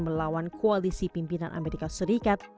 melawan koalisi pimpinan amerika serikat